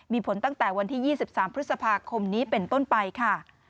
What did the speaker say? มีผลตั้งแต่วันที่๒๓พฤษภาคมนี้เป็นต้นไปค่ะ